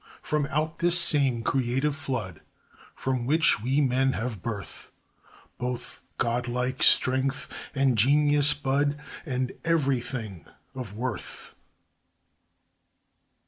From out this same creative flood From which we men have birth, Both godlike strength and genius bud, And everything of worth.